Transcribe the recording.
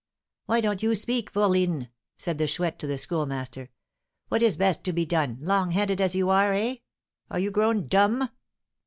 "Why don't you speak, fourline?" said the Chouette to the Schoolmaster. "What is best to be done, long headed as you are, eh? Are you grown dumb?"